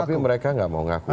tapi mereka gak mau ngaku